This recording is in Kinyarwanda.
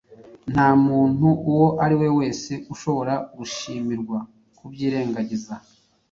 nta muntu uwo ari we wese ushobora gushimirwa kubyirengagiza